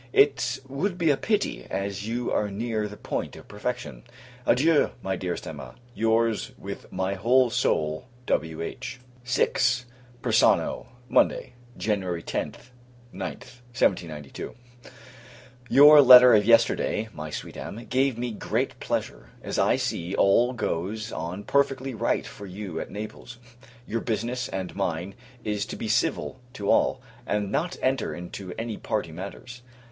It would be a pity, as you are near the point of perfection. Adieu, my dearest Emma! Your's, with my whole soul, W.H. VI. Persano, [Monday] January 10th, [9th] 1792. Your letter of yesterday, my Sweet Em. gave me great pleasure; as, I see, all goes on perfectly right for you at Naples. Your business, and mine, is to be civil to all, and not enter into any party matters.